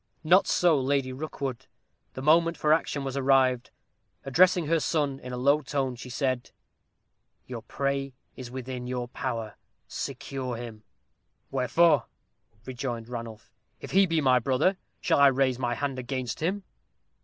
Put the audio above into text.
Not so Lady Rookwood. The moment for action was arrived. Addressing her son in a low tone, she said, "Your prey is within your power. Secure him." "Wherefore?" rejoined Ranulph; "if he be my brother, shall I raise my hand against him?"